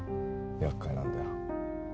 やっかいなんだよ